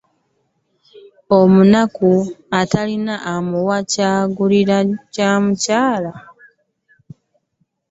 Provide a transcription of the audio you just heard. Omunaku atalina amuwa kye tyegulira kye kyalya .